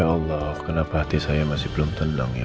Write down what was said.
ya allah kenapa hati saya masih belum tenang ya